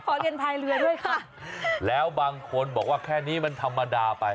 เรียนพายเรือด้วยค่ะแล้วบางคนบอกว่าแค่นี้มันธรรมดาไป